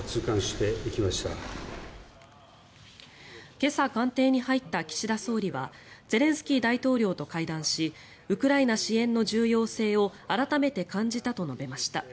今朝、官邸に入った岸田総理はゼレンスキー大統領と会談しウクライナ支援の重要性を改めて感じたと述べました。